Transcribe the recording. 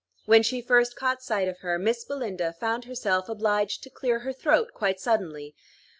When she first caught sight of her, Miss Belinda found herself obliged to clear her throat quite suddenly.